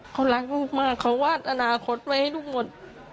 เขารักลูกมากเขาวาดอนาคตไว้ให้ลูกหมด